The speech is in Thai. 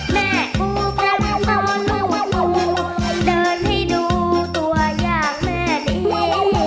แม่ปูพร้ำตอนลูกปูเดินให้ดูตัวอย่างแม่นี้